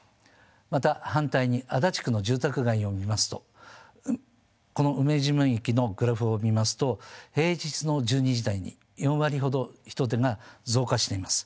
また反対に足立区の住宅街を見ますとこの梅島駅のグラフを見ますと平日の１２時台に４割ほど人出が増加しています。